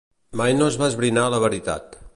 Mai no es va esbrinar la veritat.